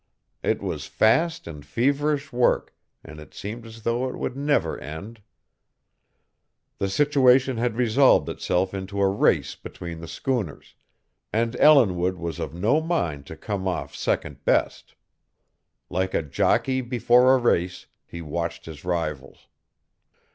It was fast and feverish work, and it seemed as though it would never end. The situation had resolved itself into a race between the schooners, and Ellinwood was of no mind to come off second best. Like a jockey before a race, he watched his rivals.